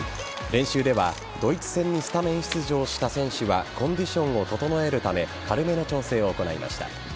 練習ではドイツ戦にスタメン出場した選手はコンディションを整えるため軽めの調整を行いました。